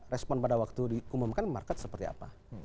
respon pada waktu diumumkan market seperti apa